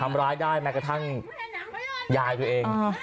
ทำร้ายได้แม้กระทั่งยายตัวเอง